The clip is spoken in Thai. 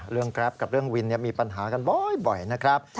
แกรปกับเรื่องวินมีปัญหากันบ่อยนะครับ